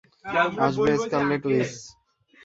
আসবে Scarlet which.